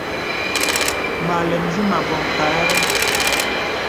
Mə àlɛm zé mə̀ àbɔŋ kâ ɛ.